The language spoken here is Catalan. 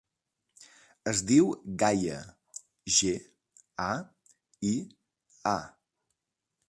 Es diu Gaia: ge, a, i, a.